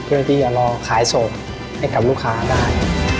เพื่อที่จะรอขายส่งให้กับลูกค้าได้